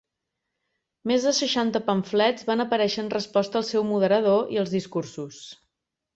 Més de seixanta pamflets van aparèixer en resposta al seu moderador i els discursos.